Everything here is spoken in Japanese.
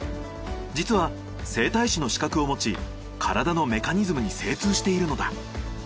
実は整体師の資格を持ち体のメカニズムに精通しているのだ。